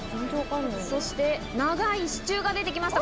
そして長い支柱が出てきました。